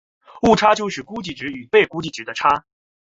误差就是估计值与被估计量的差。